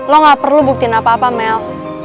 lo gak perlu buktiin apa apa mel